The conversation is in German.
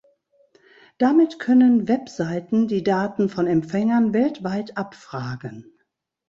Damit können Webseiten die Daten von Empfängern weltweit abfragen.